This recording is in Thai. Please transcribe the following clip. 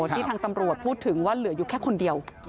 ที่ทางตำรวจพูดถึงว่าเหลืออยู่แค่คนเดียว